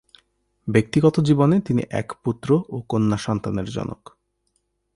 ব্যক্তিগত জীবনে তিনি এক পুত্র ও কন্যা সন্তানের জনক।